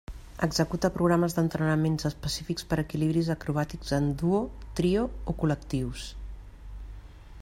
Executa programes d'entrenament específics per equilibris acrobàtics en duo, trio o col·lectius.